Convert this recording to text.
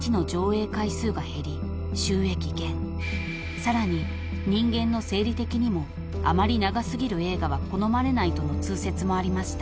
［さらに人間の生理的にもあまり長過ぎる映画は好まれないとの通説もありました］